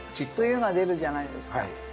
つゆが出るじゃないですか。